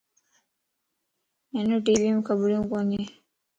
ھن ٽي ويئم خبريون ڪونين.